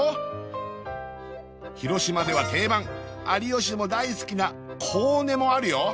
広島では定番有吉も大好きなコウネもあるよ